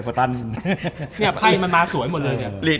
ไภมันมาสวยหมดเลย